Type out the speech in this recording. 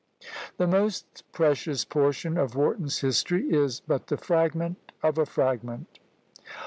The most precious portion of Warton's history is but the fragment of a fragment.